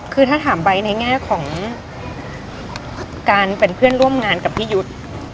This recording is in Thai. คือถ้าถามไบท์ในแง่ของการเป็นเพื่อนร่วมงานกับพี่ยุทธ์